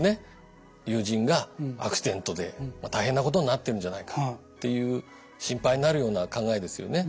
「友人がアクシデントで大変なことになってるんじゃないか」っていう心配になるような考えですよね。